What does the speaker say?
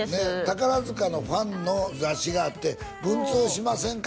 宝塚のファンの雑誌があって「文通をしませんか？」